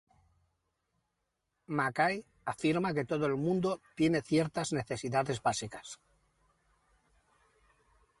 McKay afirma que todo el mundo tiene ciertas necesidades básicas.